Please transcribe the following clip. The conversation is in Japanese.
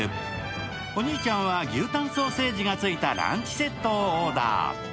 お兄ちゃんは牛タンソーセージがついたランチセットをオーダー。